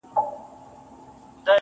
ستا شاعري گرانه ستا اوښکو وړې